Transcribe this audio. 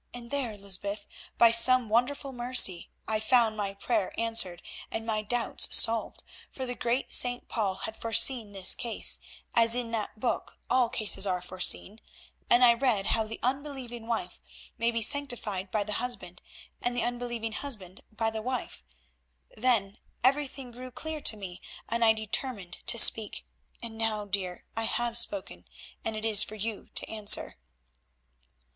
And there, Lysbeth, by some wonderful mercy, I found my prayer answered and my doubts solved, for the great St. Paul had foreseen this case, as in that Book all cases are foreseen, and I read how the unbelieving wife may be sanctified by the husband, and the unbelieving husband by the wife. Then everything grew clear to me, and I determined to speak. And now, dear, I have spoken, and it is for you to answer."